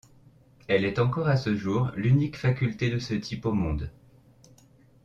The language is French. Elle est encore à ce jour l’unique faculté de ce type au monde.